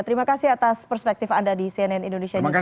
terima kasih atas perspektif anda di cnn indonesia newsroo